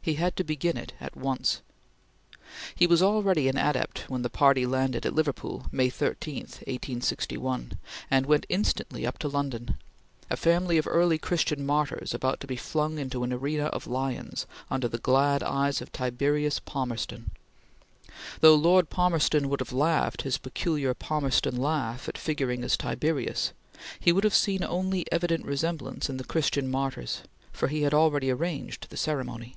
He had to begin it at once. He was already an adept when the party landed at Liverpool, May 13, 1861, and went instantly up to London: a family of early Christian martyrs about to be flung into an arena of lions, under the glad eyes of Tiberius Palmerston. Though Lord Palmerston would have laughed his peculiar Palmerston laugh at figuring as Tiberius, he would have seen only evident resemblance in the Christian martyrs, for he had already arranged the ceremony.